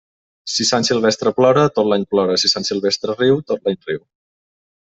Si Sant Silvestre plora, tot l'any plora; si Sant Silvestre riu, tot l'any riu.